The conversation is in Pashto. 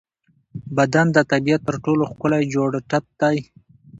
بدن د طبیعت تر ټولو ښکلی جوړڻت دی.